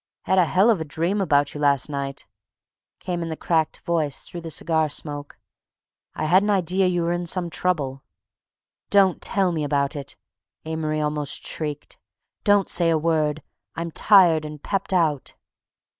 "Had a hell of a dream about you last night," came in the cracked voice through the cigar smoke. "I had an idea you were in some trouble." "Don't tell me about it!" Amory almost shrieked. "Don't say a word; I'm tired and pepped out."